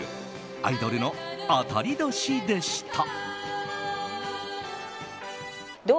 アイドルの当たり年でした。